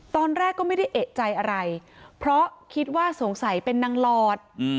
ตอนแรกก็ไม่ได้เอกใจอะไรเพราะคิดว่าสงสัยเป็นนางหลอด